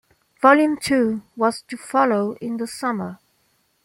Volume Two was to follow in the summer.